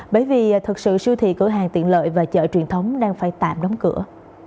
bởi vì thực sự siêu thị cửa hàng tiện lợi và chợ truyền thống đang phải tạm đóng cửa